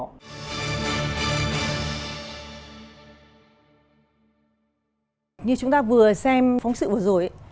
như chúng ta vừa xem phóng sự vừa rồi